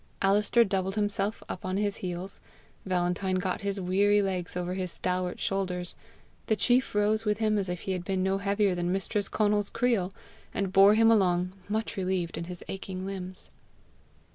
Alister doubled himself up on his heels; Valentine got his weary legs over his stalwart shoulders; the chief rose with him as if he had been no heavier than mistress Conal's creel, and bore him along much relieved in his aching limbs.